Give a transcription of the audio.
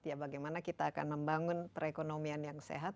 ya bagaimana kita akan membangun perekonomian yang sehat